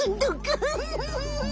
フフフ。